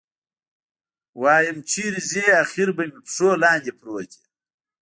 ويم چېرې ځې اخېر به مې پښو لاندې پروت يې.